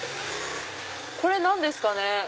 これ何ですかね？